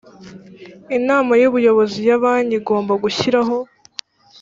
inama y ubuyobozi ya banki igomba gushyiraho